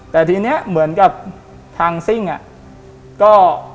แต่ทีนี้เหมือนกับทางซิ่งอ่ะก็